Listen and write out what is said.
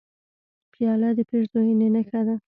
پیاله د پیرزوینې نښه ده.